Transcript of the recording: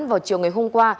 vào chiều ngày hôm qua